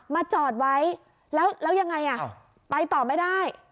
มาจอดไว้แล้วแล้วยังไงอ่ะอ้าวไปต่อไม่ได้